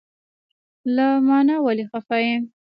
له مانه ولې خفه یی؟